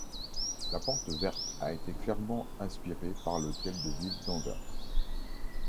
La Porte Verte a été clairement inspirée par l'Hôtel de Ville d'Anvers.